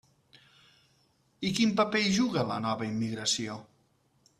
¿I quin paper hi juga la nova immigració?